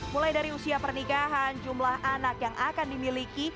mulai dari usia pernikahan jumlah anak yang akan dimiliki